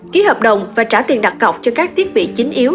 ký hợp đồng và trả tiền đặt cọc cho các thiết bị chính yếu